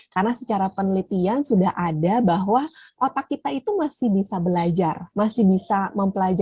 karena secara penelitian sudah ada bahwa otak kita itu masih bisa belajar masih bisa mempelajarinya